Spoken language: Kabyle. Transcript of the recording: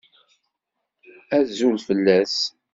Azul fell-as.